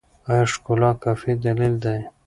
ایا ښکلا کافي دلیل دی؟